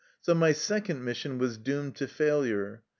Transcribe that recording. So my second mission was doomed to failure.